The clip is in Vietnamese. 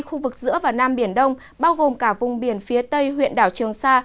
khu vực giữa và nam biển đông bao gồm cả vùng biển phía tây huyện đảo trường sa